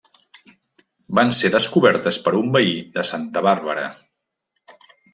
Van ser descobertes per un veí de Santa Bàrbara.